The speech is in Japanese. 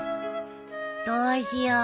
どうしよう。